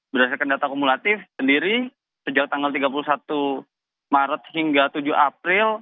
berdasarkan data kumulatif sendiri sejak tanggal tiga puluh satu maret hingga tujuh april